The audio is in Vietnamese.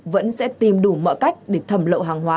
vẫn sẽ tìm đủ mọi cách để thẩm lậu hàng hóa